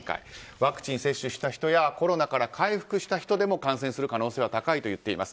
ワクチン接種した人やコロナから回復した人でも感染する可能性は高いと言っています。